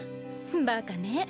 バカね。